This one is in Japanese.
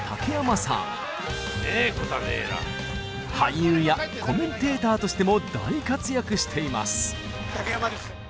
俳優やコメンテーターとしても大活躍しています。